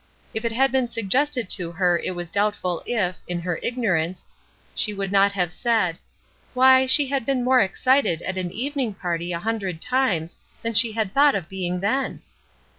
If it had been suggested to her it is doubtful if, in her ignorance, she would not have said: "Why, she had been more excited at an evening party a hundred times than she had thought of being then!"